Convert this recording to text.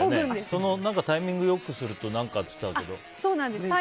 そのタイミングを良くすると何かって言ったけど。